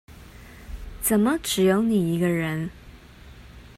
怎麼只有你一個人